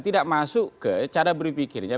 tidak masuk ke cara berpikirnya